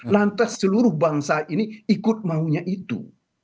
lantas seluruh bangsa ini ikut maunya itu